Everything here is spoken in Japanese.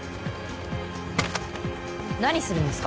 何するんですか。